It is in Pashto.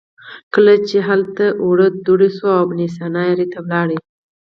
کله چې هلته اړو دوړ شو ابن سینا ري ته ولاړ.